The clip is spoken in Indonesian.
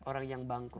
orang yang bangkrut